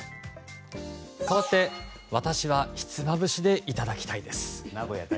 かわって、私はひつまぶしでいただきたいです！